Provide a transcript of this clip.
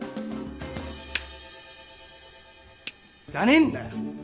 じゃねえんだよ！